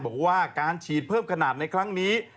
บอกว่าการฉีดเพิ่มขนาดในครั้งนี้